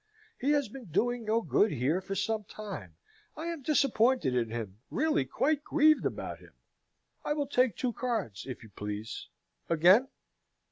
He has been doing no good here for some time. I am disappointed in him, really quite grieved about him I will take two cards, if you please again?